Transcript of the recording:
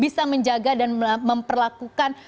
bisa menjaga dan memperlakukan